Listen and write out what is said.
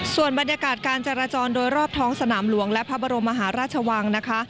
ส่วนบรรยากาศการจราจรโดยรอบท้องสนามหลวงและพระบรมมหาราชวังนะคะ